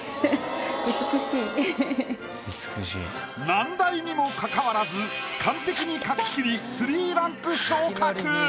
難題にもかかわらず完璧に描ききり３ランク昇格！